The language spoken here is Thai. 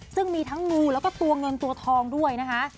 ซึ่งมีทั้งงูแล้วก็ตัวเงินตัวทองด้วยนะคะ